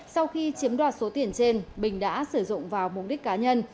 sau khi chiếm đoạt số tiền trên bình đã sử dụng vào mục đích cá nhân